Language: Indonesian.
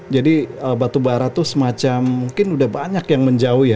jadi batubara itu semacam mungkin sudah banyak yang menjauh ya